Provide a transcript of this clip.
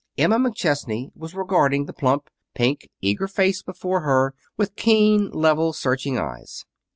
Emma McChesney was regarding the plump, pink, eager face before her with keen, level, searching eyes.